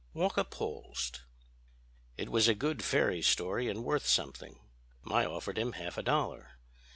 Walker paused. "It was a good fairy story and worth something. I offered him half a dollar.